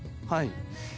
はい。